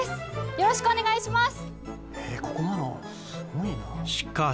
よろしくお願いします